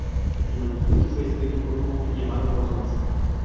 El manuscrito fue escrito por un monje llamado Cosmas.